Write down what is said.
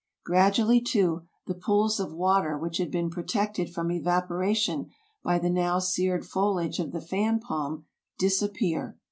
Grad ually, too, the pools of water which had been protected from evaporation by the now seared foliage of the fan palm, dis appear.